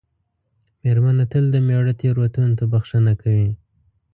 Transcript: مېرمنه تل د مېړه تېروتنو ته بښنه کوي.